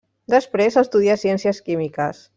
Després, estudià Ciències Químiques.